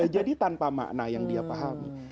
jadi tanpa makna yang dia pahami